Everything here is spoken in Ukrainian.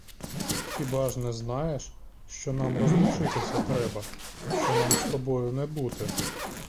Хіба ж не знаєш, що нам розлучитися треба, що нам з тобою не бути?